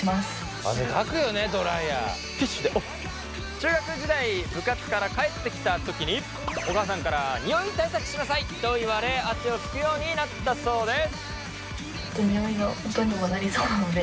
中学時代部活から帰ってきた時にお母さんからニオイ対策しなさいと言われ汗を拭くようになったそうです。